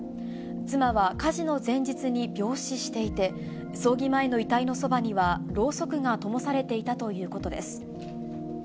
妻は火事の前日に病死していて、葬儀前の遺体のそばには、ろうそくがともされていたということです。